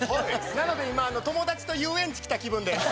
なので今友達と遊園地来た気分です。